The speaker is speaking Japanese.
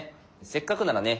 せっかくならね